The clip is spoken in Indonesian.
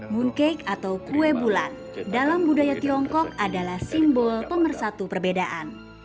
mooncake atau kue bulan dalam budaya tiongkok adalah simbol pemersatu perbedaan